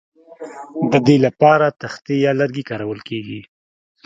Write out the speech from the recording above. د دې لپاره تختې یا لرګي کارول کیږي